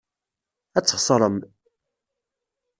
Ad txeṣrem.